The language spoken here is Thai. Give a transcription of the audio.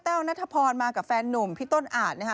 นัทพรมากับแฟนนุ่มพี่ต้นอาจนะคะ